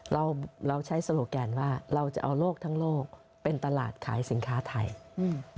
เราเราใช้โซโลแกนว่าเราจะเอาโลกทั้งโลกเป็นตลาดขายสินค้าไทยอืม